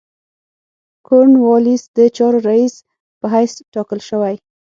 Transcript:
کورن والیس د چارو رییس په حیث تاکل شوی.